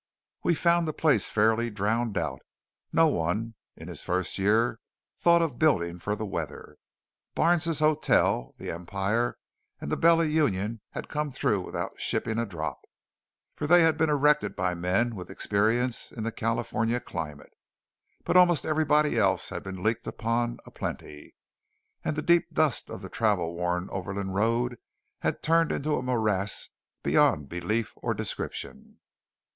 We found the place fairly drowned out. No one, in his first year, thought of building for the weather. Barnes's hotel, the Empire and the Bella Union had come through without shipping a drop, for they had been erected by men with experience in the California climate; but almost everybody else had been leaked upon a plenty. And the deep dust of the travel worn overland road had turned into a morass beyond belief or description.